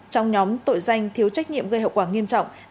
trong nhóm tội danh thiếu trách nhiệm gây hậu quả nghiêm trọng